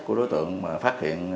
của đối tượng mà phát hiện